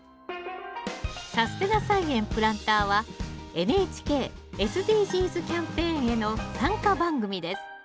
「さすてな菜園プランター」はＮＨＫ・ＳＤＧｓキャンペーンへの参加番組です。